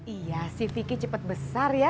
iya si vicky cepat besar ya